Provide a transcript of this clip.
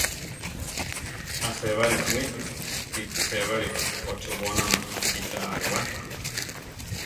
A-sébari baʼwí , kíti sébari ochébonama kíta alewá.